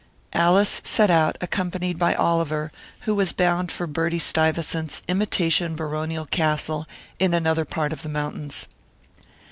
Alice set out, accompanied by Oliver, who was bound for Bertie Stuyvesant's imitation baronial castle, in another part of the mountains.